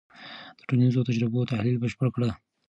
د ټولنیزو تجربو تحلیل بشپړ کړه.